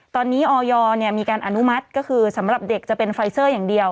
ตอนนี้ออยมีการอนุมัติก็คือสำหรับเด็กจะเป็นไฟเซอร์อย่างเดียว